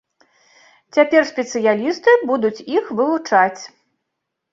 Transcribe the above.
Цяпер спецыялісты будуць іх вывучаць.